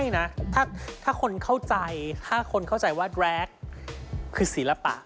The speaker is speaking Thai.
ไม่นะถ้าคนเข้าใจว่าแดรกคือศิลปะ